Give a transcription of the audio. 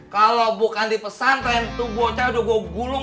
kalau bukan di pesan saya sudah bergulung